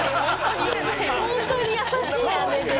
本当に優しい姉で。